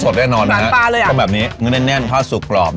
แป้งมันเบากับปลอด